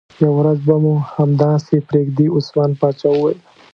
یوه ورځ به مو همداسې پرېږدي، عثمان باچا وویل.